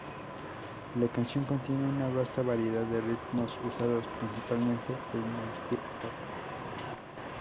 La canción contiene una vasta variedad de ritmos usados principalmente en el hip hop.